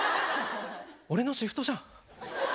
俺のシフトじゃん。